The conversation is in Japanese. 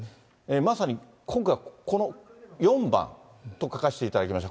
まさに今回、この４番と書かしていただきました、